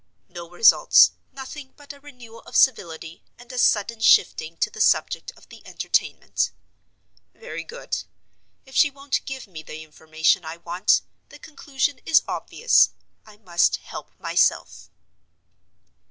No results; nothing but a renewal of civility, and a sudden shifting to the subject of the Entertainment. Very good. If she won't give me the information I want, the conclusion is obvious—I must help myself.